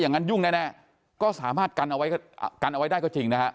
อย่างงั้นยุ่งแน่ก็สามารถกันเอาไว้ได้ก็จริงนะฮะ